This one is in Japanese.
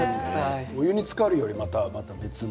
お湯につかるよりまた別の。